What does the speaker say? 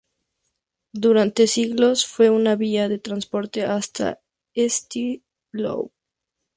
Durante siglos fue una vía de transporte hasta St-Lô.